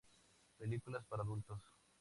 Películas para Adultos